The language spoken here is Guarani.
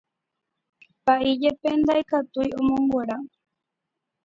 Pa'i jepe ndaikatúi omonguera.